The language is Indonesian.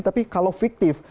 tapi kalau fiktif